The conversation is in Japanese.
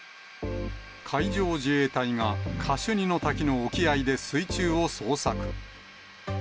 海上自衛隊が、カシュニの滝の沖合で水中を捜索。